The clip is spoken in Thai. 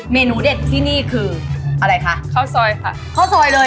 เมนูเด็ดที่นี่คืออะไรคะข้าวซอยค่ะข้าวซอยเลย